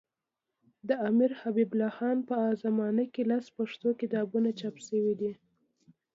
د امیرحبیب الله خان په زمانه کي لس پښتو کتابونه چاپ سوي دي.